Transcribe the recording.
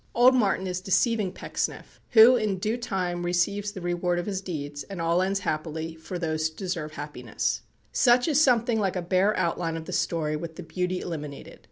Old Martin is deceiving Pecksniff, who in due time receives the reward of his deeds, and all ends happily for those who deserve happiness. Such is something like a bare outline of the story, with the beauty eliminated.